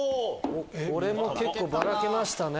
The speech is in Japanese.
これも結構バラけましたね。